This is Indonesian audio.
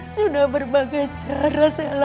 sudah berbagai cara selam